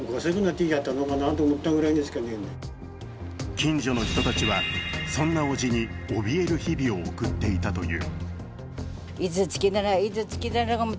近所の人たちは、そんな伯父に怯える日々を送っていたという。